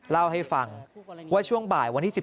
เล่าให้ฟังว่าช่วงบ่ายวันที่๑๓